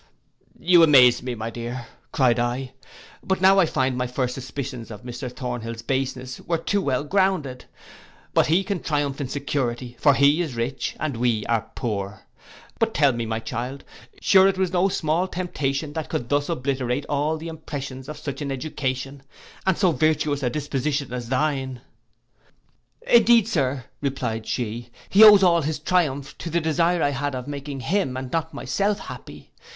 'You amaze me, my dear,' cried I; 'but now I find my first suspicions of Mr Thornhill's baseness were too well grounded: but he can triumph in security; for he is rich and we are poor. But tell me, my child, sure it was no small temptation that could thus obliterate all the impressions of such an education, and so virtuous a disposition as thine.' 'Indeed, Sir,' replied she, 'he owes all his triumph to the desire I had of making him, and not myself, happy.